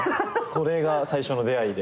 それが最初の出会いで。